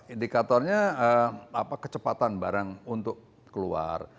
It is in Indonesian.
indikatornya kecepatan barang untuk keluar